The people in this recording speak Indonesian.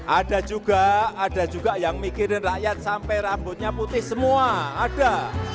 ada juga ada juga yang mikirin rakyat sampai rambutnya putih semua ada